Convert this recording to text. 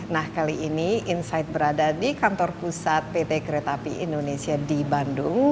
nah kali ini insight berada di kantor pusat pt kereta api indonesia di bandung